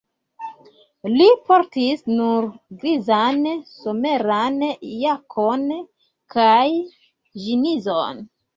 Li portis nur grizan someran jakon kaj ĝinzon.